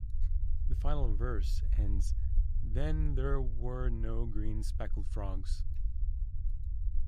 The final verse ends Then there were no green speckled frogs.